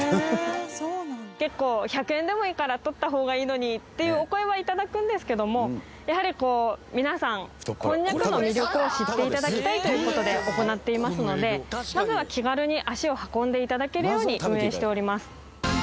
結構「１００円でもいいから取った方がいいのに」っていうお声は頂くんですけどもやはりこう皆さんこんにゃくの魅力を知って頂きたいという事で行っていますのでまずは気軽に足を運んで頂けるように運営しております。